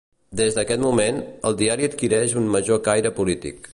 Des d'aquest moment, el diari adquireix un major caire polític.